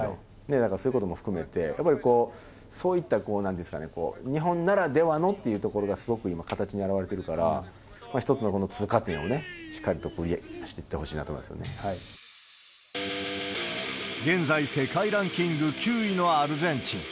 だから、そういうことも含めて、やっぱりそういった、なんですかね、日本ならではのっていうところがすごく今、形に現れてるから、１つのこの通過点をしっかりとクリアしていっ現在、世界ランキング９位のアルゼンチン。